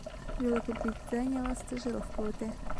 Великобританияла стажировка үтә.